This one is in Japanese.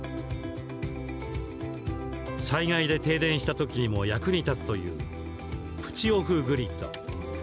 災害で停電したときにも役に立つというプチオフグリッド。